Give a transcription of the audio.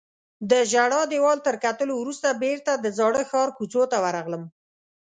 د ژړا دیوال تر کتلو وروسته بیرته د زاړه ښار کوڅو ته ورغلم.